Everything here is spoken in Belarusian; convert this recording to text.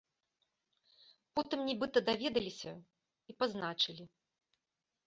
Потым нібыта даведаліся і пазначылі.